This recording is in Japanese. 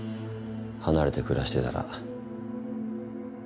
離れて暮らしてたら。